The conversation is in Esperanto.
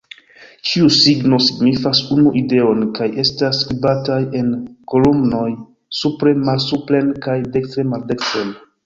Ĉiu signo signifas unu ideon kaj estas skribataj en kolumnoj, supre-malsupren kaj dekste-maldekstren.